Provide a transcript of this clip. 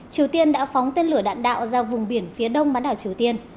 triều tiên đã phóng tên lửa đạn đạo ra vùng biển phía đông bán đảo triều tiên